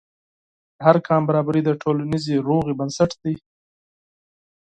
د هر قوم برابري د ټولنیزې سولې بنسټ دی.